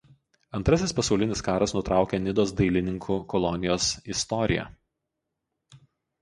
Antrasis pasaulinis karas nutraukė Nidos dailininkų kolonijos istoriją.